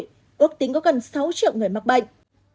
ước tính có gần sáu triệu người mắc bệnh